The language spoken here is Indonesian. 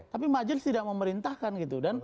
tapi majelis tidak memerintahkan gitu